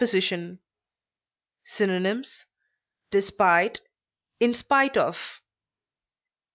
_ Synonyms: despite, in spite of.